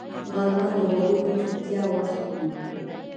غرمه د غږونو چوپتیا وخت وي